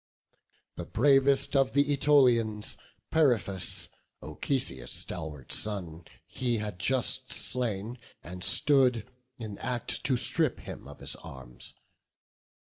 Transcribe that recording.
The bravest of th' Ætolians, Periphas, Ochesius' stalwart son, he just had slain, And stood in act to strip him of his arms.